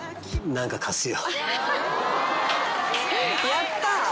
やった。